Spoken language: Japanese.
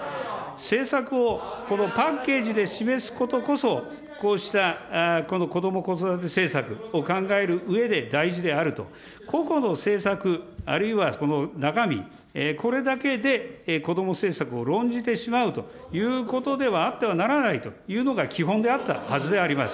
政策をこのパッケージで示すことこそ、こうしたこども・子育て政策を考えるうえで大事であると、個々の政策、あるいはこの中身、これだけで子ども政策を論じてしまうということではあってはならないというのが基本であったはずであります。